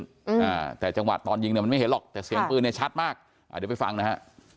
อ่าแต่จังหวะตอนยิงเนี้ยมันไม่เห็นหรอกแต่เสียงปืนเนี้ยชัดมากอ่าเดี๋ยวไปฟังนะฮะ